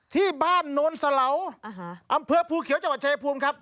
ที่บ้านโนนสะเหลาอำเภอภูเขียวจังหวัดชายภูมิครับ